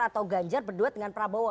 atau ganjar berduet dengan prabowo